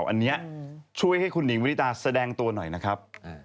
อันนี้ช่วยให้คุณหญิงวิริตาแสดงตัวหน่อยนะครับ